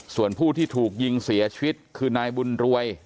ส่วนผู้ที่ถูกยิงเสียชีวิตคือนายบุญรวย